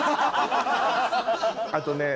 あとね